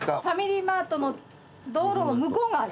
ファミリーマートの道路の向こう側。